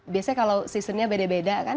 biasanya kalau seasonnya beda beda kan